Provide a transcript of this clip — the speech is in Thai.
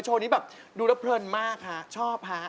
โชว์นี้ดูแล้วเพลินมากชอบ